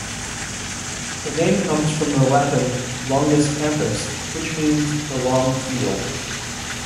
The name comes from the Latin "Longus campus", which means the long field.